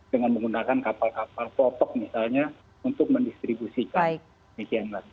dengan menggunakan kapal kapal kotak misalnya untuk mendistribusikan